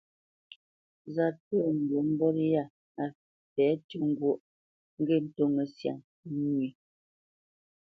Zât pə̂ ndǔ mbot yâ a fɛ̌ tʉ́ ŋgwóʼ, ŋgê ntóŋə́ syâ nwē.